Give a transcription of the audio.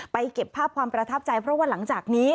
เก็บภาพความประทับใจเพราะว่าหลังจากนี้